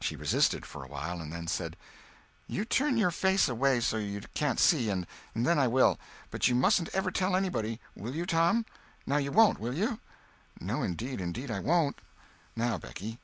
She resisted, for a while, and then said: "You turn your face away so you can't see, and then I will. But you mustn't ever tell anybody—will you, Tom? Now you won't, will you?" "No, indeed, indeed I won't. Now, Becky."